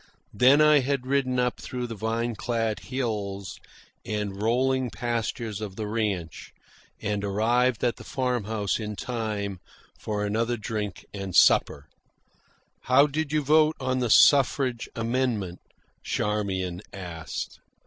Then I had ridden up through the vine clad hills and rolling pastures of the ranch, and arrived at the farm house in time for another drink and supper. "How did you vote on the suffrage amendment?" Charmian asked.